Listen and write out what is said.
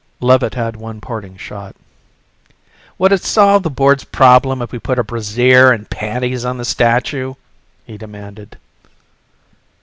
Levitt had one parting shot. "Would it solve the board's problem if we put a brassiere and panties on the statue?" he demanded.